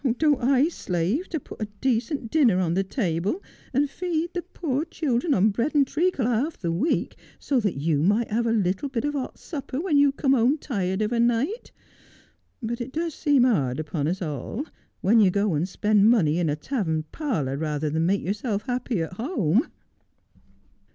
Don't I slave to put a decent dinner on the table, and feed the poor children on bread and treacle half the week, so that you may have a little bit of hot supper when you come home tired of a night? But it does seem hard upon us all when you go and spend money in a tavern parlour rather than make yourself happy at home.'